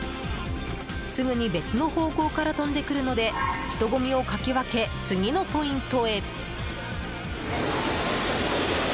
すぐに別の方向から飛んでくるので人混みをかき分け次のポイントへ。